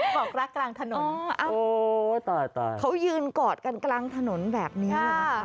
บอกรักกลางถนนโอ้ยตายเขายืนกอดกันกลางถนนแบบนี้